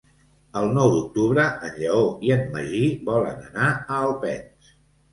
El nou d'octubre en Lleó i en Magí volen anar a Alpens.